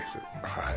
はい